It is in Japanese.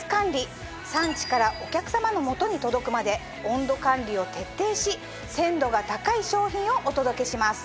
産地からお客さまの元に届くまで温度管理を徹底し鮮度が高い商品をお届けします。